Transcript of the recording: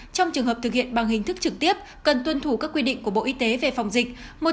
trong trường hợp thực hiện bằng hình thức trực tiếp cần tuân thủ các quy định của bộ y tế về phòng dịch